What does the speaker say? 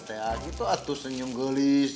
tegak gitu atuh senyum gelis